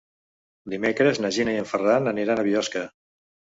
Dimecres na Gina i en Ferran aniran a Biosca.